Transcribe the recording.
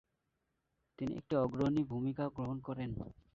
তিনি একটি অগ্রণী ভূমিকা গ্রহণ করেন।